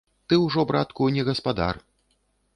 Ты ўжо, братку, не гаспадар.